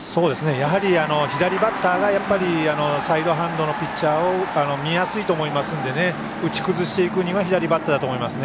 やはり、左バッターがサイドハンドのピッチャーを見やすいと思いますので打ち崩していくには左バッターだと思いますね。